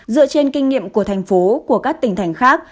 dựa trên kinh nghiệm của thành phố của các tỉnh thành khác